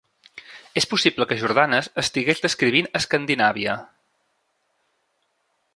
És possible que Jordanes estigués descrivint Escandinàvia.